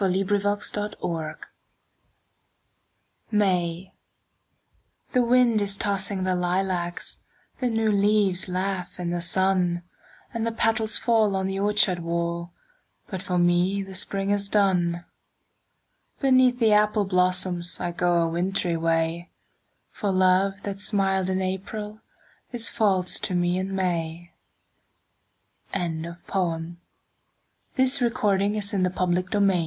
Sara Teasdale May THE wind is tossing the lilacs, The new leaves laugh in the sun, And the petals fall on the orchard wall, But for me the spring is done. Beneath the apple blossoms I go a wintry way, For love that smiled in April Is false to me in May. Sara Teasdale Primavera Mia AS KINGS, seeing their